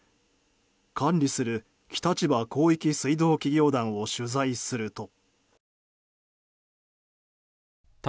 管理する北千葉広域水道企業団を取材すると。